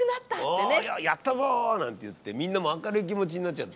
「やったぞ！」なんて言ってみんなも明るい気持ちになっちゃって。